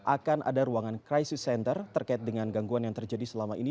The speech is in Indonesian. akan ada ruangan crisis center terkait dengan gangguan yang terjadi selama ini